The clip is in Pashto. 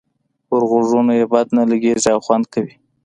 پر غوږونو یې بد نه لګيږي او خوند کوي.